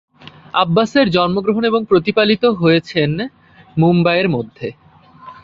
আব্বাসের জন্মগ্রহণ এবং প্রতিপালিত হয়েছেন মুম্বাই এর মধ্যে।